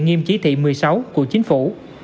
nghiêm chí thị một mươi sáu của chính phủ